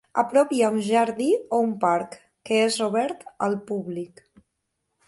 A prop hi ha un jardí o un parc, que és obert al públic.